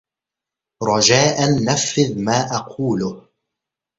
رجاء، نفّذ ما أقوله.